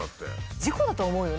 事故だと思うよね。